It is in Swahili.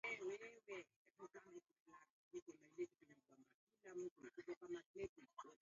kutofautishwa kutoka kwa utegemezi wa kweli kwa kuwa tabia